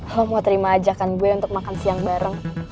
kamu mau terima ajakan gue untuk makan siang bareng